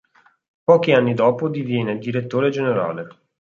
Pochi anni dopo diviene direttore generale.